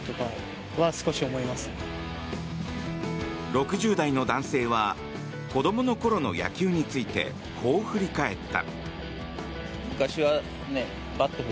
６０代の男性は子どもの頃の野球についてこう振り返った。